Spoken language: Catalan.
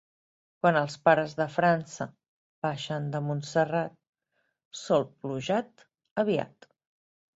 Quan els pares de França baixen de Montserrat sopluja't aviat.